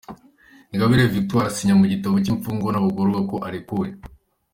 Ingabire Victoire asinya mu gitabo cy’imfungwa n’abagororwa ko arekuwe